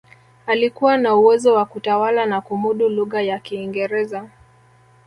alikuwa na uwezo wa kutawala na kumudu lugha ya kiingereza